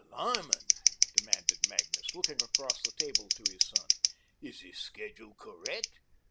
"Why, Lyman," demanded Magnus, looking across the table to his son, "is this schedule correct?